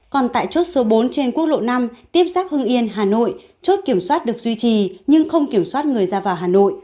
còn tại chốt số bốn trên quốc lộ năm tiếp giáp hưng yên hà nội chốt kiểm soát được duy trì nhưng không kiểm soát người ra vào hà nội